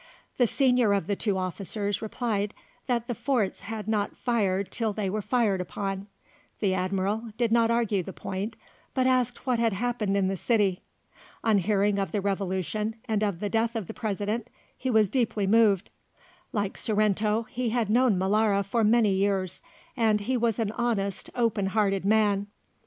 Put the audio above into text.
The senior of the two officers replied that the forts had not fired till they were fired upon. The Admiral did not argue the point, but asked what had happened in the city. On hearing of the Revolution and of the death of the President, he was deeply moved. Like Sorrento, he had known Molara for many years, and he was an honest, open hearted man.